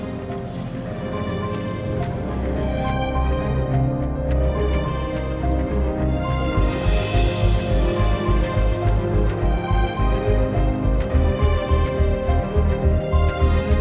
masa masa kita berdua kita bisa berdua